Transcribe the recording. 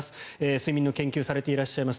睡眠の研究をされていらっしゃいます